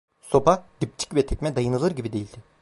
Sopa, dipçik ve tekme dayanılır gibi değildi.